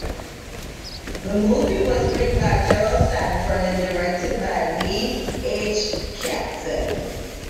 The movie was written by Gerald Sanford and directed by Lee H. Katzin.